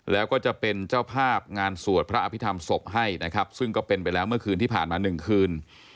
แล้วก็จะเป็นเจ้าภาพงานสวดพระอภิษฐรรมศพให้นะครับซึ่งก็เป็นไปแล้วเมื่อคืนที่ผ่านมา๑คืน